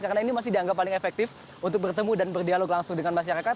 karena ini masih dianggap paling efektif untuk bertemu dan berdialog langsung dengan masyarakat